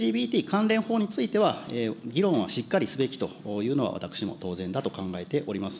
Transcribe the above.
関連法については議論はしっかりすべきというのは、私も当然だと考えております。